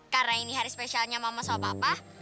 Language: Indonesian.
karena ini hari spesialnya mama sama papa